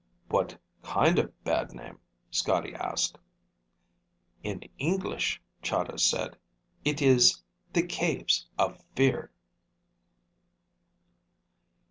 "What kind of bad name?" Scotty asked. "In English," Chahda said, "it is 'The Caves of Fear'!"